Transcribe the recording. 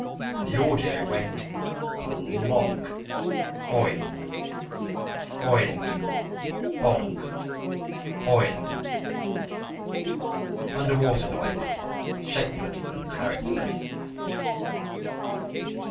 The audio went cloonck ... oing, oing ... bonk ... oing ... Underwater noises, shapeless and characterless.